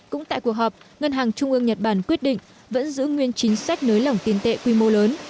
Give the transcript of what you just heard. cũng tại cuộc họp ngân hàng trung ương nhật bản quyết định vẫn giữ nguyên chính sách nới lỏng tiền tệ quy mô lớn